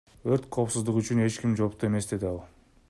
Өрт коопсуздугу үчүн эч ким жоопту эмес, — деди ал.